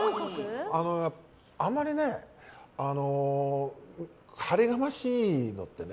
あまり晴れがましいのってね